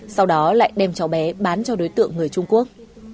sau đó lại đem cháu bé bán cho đối tượng người trung quốc